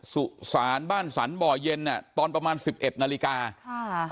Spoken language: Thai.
สุสานบ้านสรรบ่อเย็นอ่ะตอนประมาณสิบเอ็ดนาฬิกาค่ะ